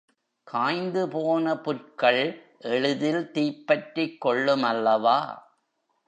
காய்ந்துபோன புற்கள் எளிதில் தீப்பற்றிக் கொள்ளுமல்லவா?